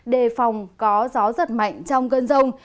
đề phòng có gió giật mạnh trong cơn rông